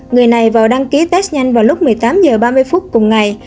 người này vào đăng ký test nhanh vào lúc một mươi tám h ba mươi phút cùng ngày